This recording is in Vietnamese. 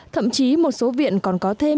thậm chí một số viện còn có thêm